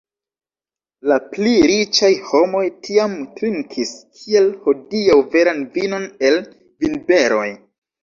La pli riĉaj homoj tiam trinkis, kiel hodiaŭ veran vinon el vinberoj.